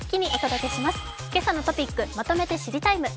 「けさのトピックまとめて知りＴＩＭＥ，」。